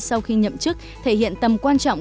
sau khi nhậm chức thể hiện tầm quan trọng